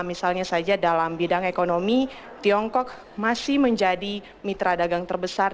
misalnya saja dalam bidang ekonomi tiongkok masih menjadi mitra dagang terbesar